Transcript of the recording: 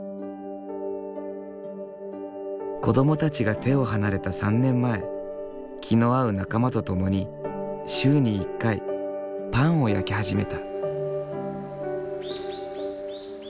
子供たちが手を離れた３年前気の合う仲間とともに週に１回パンを焼き始めた。